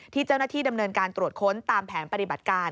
ที่เจ้าหน้าที่ดำเนินการตรวจค้นตามแผนปฏิบัติการ